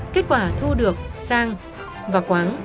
kết quả thu được sang và quáng